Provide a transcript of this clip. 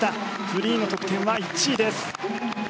フリーの得点は１位です。